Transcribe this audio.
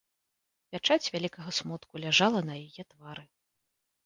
Пячаць вялікага смутку ляжала на яе твары.